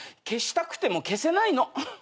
消したくても消せないの。